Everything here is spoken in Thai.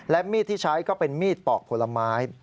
และมีดที่ใช้ก็เป็นมีดปอกผลไม้